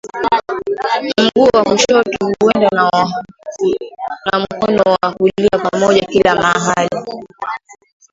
mguu wa kushoto huenda na mkono wa kulia pamoja kila mahali